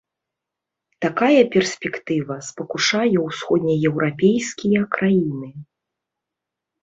Такая перспектыва спакушае ўсходнееўрапейскія краіны.